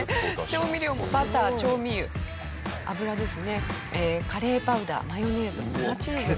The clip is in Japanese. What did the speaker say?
調味料もバター調味油油ですねカレーパウダーマヨネーズ粉チーズ。